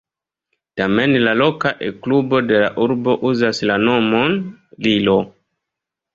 Tamen la loka E-klubo de la urbo uzas la nomon "Lillo".